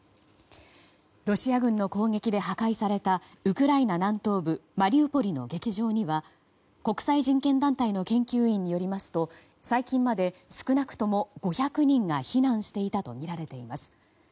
ロシア軍の攻撃で破壊されたウクライナ南東部マリウポリの劇場には国際人権団体の研究員によりますと最近まで少なくとも５００人が避難していたとみられています。